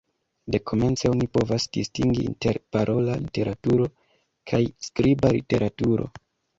Dekomence oni povas distingi inter parola literaturo kaj skriba literaturo.